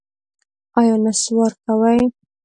ایا نسوار کوئ؟